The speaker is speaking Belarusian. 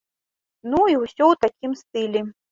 Ну, і ўсё ў такім стылі.